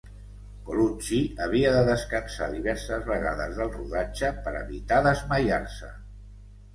Colucci havia de descansar diverses vegades del rodatge per evitar desmaiar-se.